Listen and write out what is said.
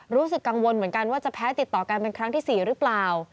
รู้สึกกังวลเหมือนกันว่าจะแพ้ติดต่อกันเป็นครั้งที่๔หรือเปล่า